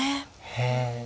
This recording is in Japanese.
へえ。